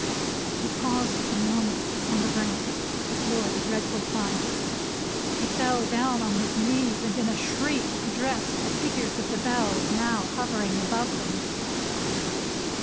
She paused a moment on the brink, before the dreadful plunge. He fell down on his knees, and in a shriek addressed the figures in the Bells now hovering above them.